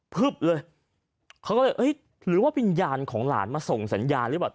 พึบเลยเขาก็เลยเอ้ยหรือว่าวิญญาณของหลานมาส่งสัญญาณหรือเปล่า